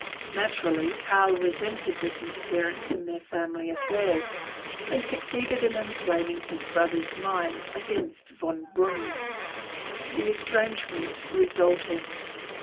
Naturally Karl resented this interference in their family affairs, and succeeded in inflaming his brother's mind against Von Breuning. The estrangement resulted.